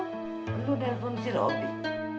tentu dari rumput si robby